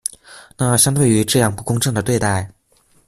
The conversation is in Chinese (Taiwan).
那相對於這樣不公正的對待